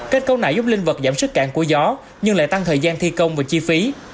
kết cấu này giúp linh vật giảm sức cạn của gió nhưng lại tăng thời gian thi công và chi phí